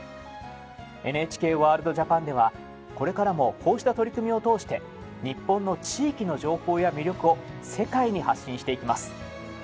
ＮＨＫワールドＪＡＰＡＮではこれからもこうした取り組みを通して日本の地域の情報や魅力を世界に発信していきます。